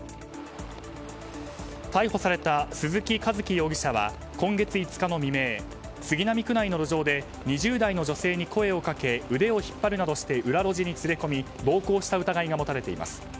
逮捕された鈴木寿樹容疑者は今月５日の未明杉並区内の路上で２０代の女性に声をかけ腕を引っ張るなどして裏路地に連れ込み暴行した疑いが持たれています。